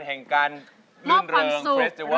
แห่งการเรื่องคลาสติเวิล